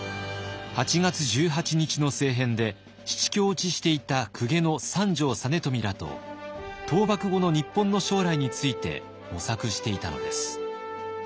八月十八日の政変で七落ちしていた公家の三条実美らと倒幕後の日本の将来について模索していたのです。